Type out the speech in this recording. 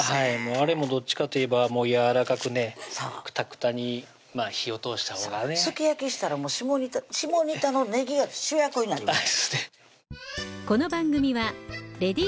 あれもどっちかといえばやわらかくねくたくたに火を通したほうがねすき焼きしたら下仁田のねぎが主役になります